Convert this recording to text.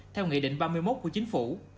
theo nghị định ba mươi một của chính phủ